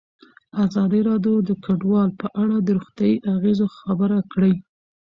ازادي راډیو د کډوال په اړه د روغتیایي اغېزو خبره کړې.